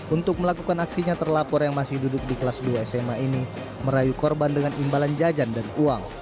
untuk melakukan aksinya terlapor yang masih duduk di kelas dua sma ini merayu korban dengan imbalan jajan dan uang